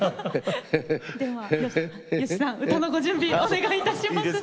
では吉さん歌のご準備お願いいたします。